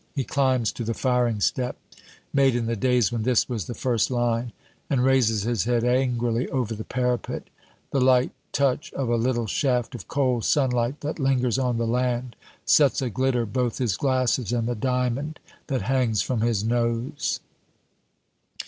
He climbs to the firing step (made in the days when this was the first line), and raises his head angrily over the parapet. The light touch of a little shaft of cold sunlight that lingers on the land sets a glitter both his glasses and the diamond that hangs from his nose.